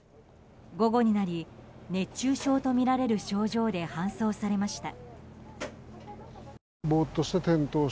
午後になり熱中症とみられる症状で搬送されました。